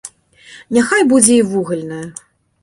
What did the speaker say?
Няхай будзе і вугальная.